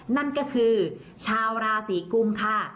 นั่นก็คือชาวราศีกุมค่ะ